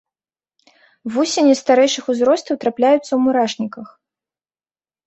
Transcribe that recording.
Вусені старэйшых узростаў трапляюцца ў мурашніках.